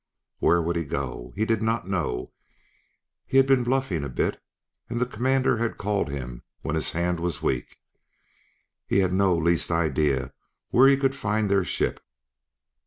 Where would he go? He did not know; he had been bluffing a bit and the Commander had called him when his hand was weak; he had no least idea where he could find their ship.